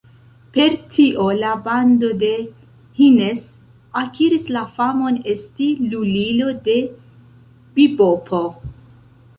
Per tio la bando de Hines akiris la famon esti "lulilo de bibopo".